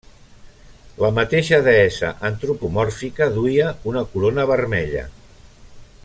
La mateixa deessa antropomòrfica duia una corona vermella.